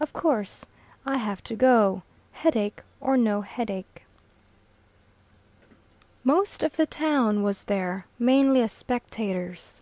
Of course I have to go, headache or no headache. Most of the town was there, mainly as spectators.